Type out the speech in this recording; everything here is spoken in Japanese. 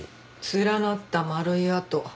連なった丸い痕。